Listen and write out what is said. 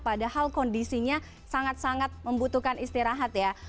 padahal kondisinya sangat sangat membutuhkan istirahat ya